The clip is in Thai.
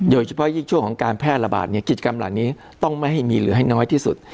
โดยเฉพาะยิ่งช่วงของการแพร่ระบาดเนี่ยกิจกรรมเหล่านี้ต้องไม่ให้มีเหลือให้น้อยที่สุด